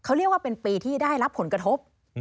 เขาเรียกว่าเป็นปีที่ได้รับผลกระทบ